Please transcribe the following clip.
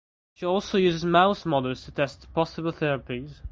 She also uses mouse models to test possible therapies.